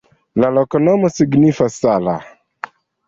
La loknomo signifas: sala.